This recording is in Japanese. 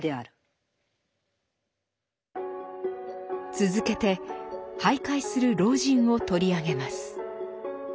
続けて徘徊する老人を取り上げます。